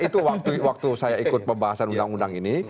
itu waktu saya ikut pembahasan undang undang ini